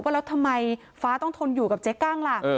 แล้วทำไมฟ้าต้องทนอยู่กับเจ๊กั้งล่ะ